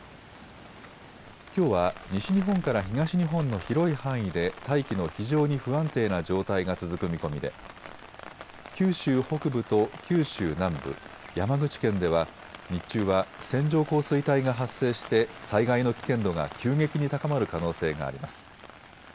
きょうは西日本から東日本の広い範囲で大気の非常に不安定な状態が続く見込みで九州北部と九州南部、山口県では日中は線状降水帯が発生して災害の危険度が急激に高まる可能性があります。